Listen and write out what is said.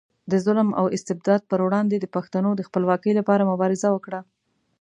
د ظلم او استبداد پر وړاندې د پښتنو د خپلواکۍ لپاره مبارزه وکړه.